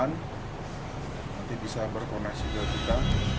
nanti bisa berkoneksi ke kita